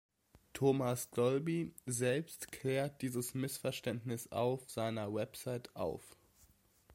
Thomas Dolby selbst klärt dieses Missverständnis auf seiner Website auf.